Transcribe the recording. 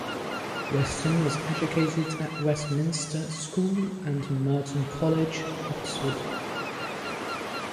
Weston was educated at Westminster School and Merton College, Oxford.